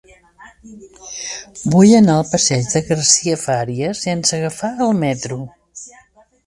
Vull anar al passeig de Garcia Fària sense agafar el metro.